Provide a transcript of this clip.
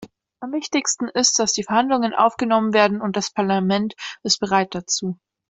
Am wichtigsten ist, dass die Verhandlungen aufgenommen werden, und das Parlament ist bereit dazu.